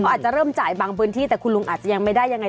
อาจจะเริ่มจ่ายบางพื้นที่แต่คุณลุงอาจจะยังไม่ได้ยังไง